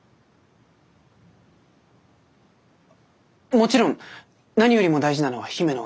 もちろん何よりも大事なのは姫のお気持ちです。